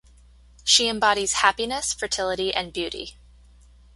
She embodies happiness, fertility, and beauty.